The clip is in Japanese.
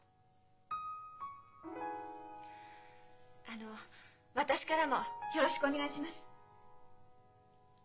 あの私からもよろしくお願いします。